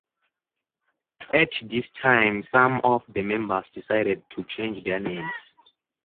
At this time some of the members decided to change their names.